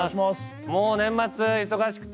もう年末忙しくて。